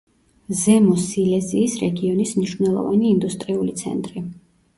ზემო სილეზიის რეგიონის მნიშვნელოვანი ინდუსტრიული ცენტრი.